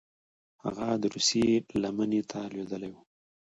هغه د روسیې لمنې ته لوېدلي وه.